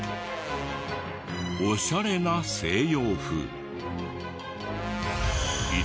オシャレな西洋風。